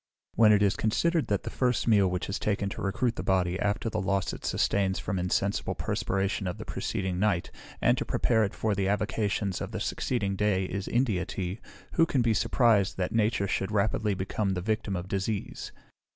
When it is considered that the first meal which is taken to recruit the body, after the loss it sustains from the insensible perspiration of the preceding night, and to prepare it for the avocations of the succeeding day, is India tea, who can be surprised that nature should rapidly become the victim of disease?